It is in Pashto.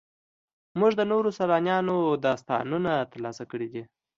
موږ د نورو سیلانیانو داستانونه ترلاسه کړي دي.